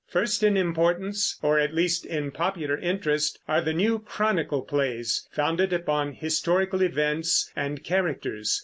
First in importance, or at least in popular interest, are the new Chronicle plays, founded upon historical events and characters.